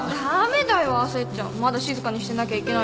まだ静かにしてなきゃいけないんだから。